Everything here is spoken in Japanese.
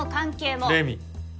レミ。